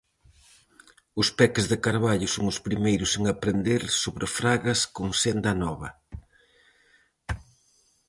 Os peques de Carballo son os primeiros en aprender sobre fragas con Senda Nova.